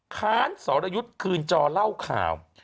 ค้านสรยุทธ์คืนจอเล่าข่าว